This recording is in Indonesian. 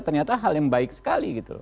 ternyata hal yang baik sekali gitu